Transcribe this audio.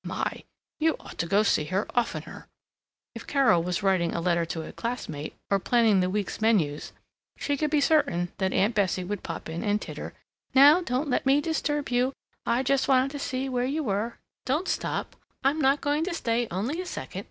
My! You ought to go see her oftener!" If Carol was writing a letter to a classmate, or planning the week's menus, she could be certain that Aunt Bessie would pop in and titter, "Now don't let me disturb you, I just wanted to see where you were, don't stop, I'm not going to stay only a second.